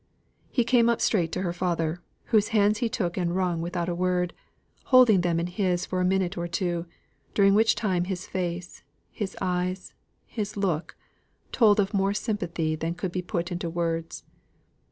He came up straight to her father, whose hands he took and wrung without a word holding them in his for a minute or two, during which time his face, his eyes, his look, told of more sympathy than could be put into words.